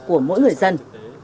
của mỗi người dân